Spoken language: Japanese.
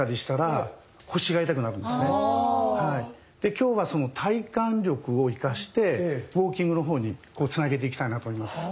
今日はその体幹力を生かしてウォーキングの方につなげていきたいなと思います。